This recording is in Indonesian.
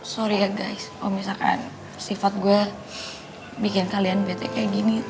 sorry at guys kalau misalkan sifat gue bikin kalian bete kayak gini